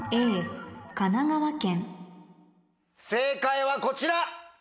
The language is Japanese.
正解はこちら！